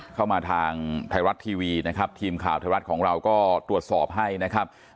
เข้ามาทางไทยรัฐทีวีนะครับทีมข่าวไทยรัฐของเราก็ตรวจสอบให้นะครับ